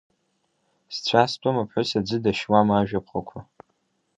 Зцәа зтәым аԥҳәыс аӡы дашьуам ажәаԥҟақәа.